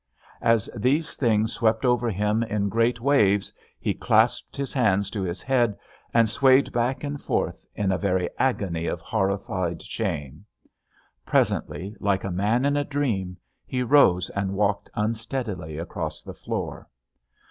As these things swept over him in great waves he clasped his hands to his head and swayed back and forth in a very agony of horrified shame. Presently, like a man in a dream, he rose and walked unsteadily across the floor.